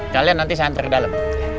kalian nanti saya hantar ke dalam